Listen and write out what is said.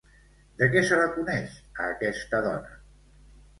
De què se la coneix a aquesta dona?